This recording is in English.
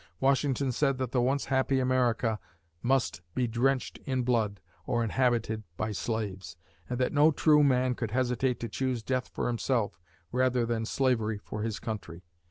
Washington said that the once happy America must be drenched in blood, or inhabited by slaves, and that no true man could hesitate to choose death for himself rather than slavery for his country.